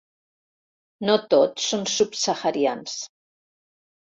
No tots són subsaharians.